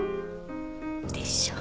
でしょ。